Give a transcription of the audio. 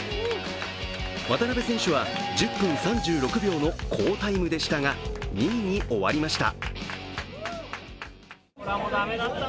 渡辺選手は１０分３６秒の好タイムでしたが、２位に終わりました。